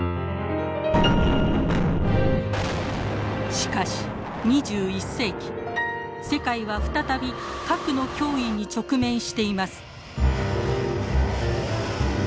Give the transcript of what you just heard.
しかし２１世紀世界は再び核の脅威に直面しています。